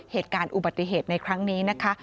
เหตุการณ์อุบัติเหตุในครั้งนี้นะคะ